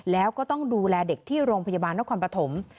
แล้วก็ต้องดูแลเด็กที่โรงพยาบาลนครปฐม